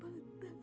ya allah amin